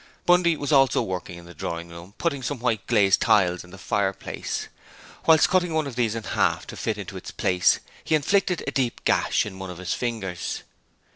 Bundy was also working in the drawing room putting some white glazed tiles in the fireplace. Whilst cutting one of these in half in order to fit it into its place, he inflicted a deep gash on one of his fingers.